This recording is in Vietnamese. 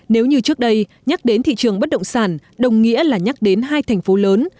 nếu như trước đây nhắc đến thị trường bất động sản đồng nghĩa là nhắc đến hai thành phố lớn